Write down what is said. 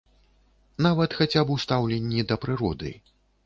Нават хаця б у стаўленні да прыроды.